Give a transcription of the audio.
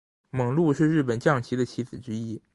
猛鹿是日本将棋的棋子之一。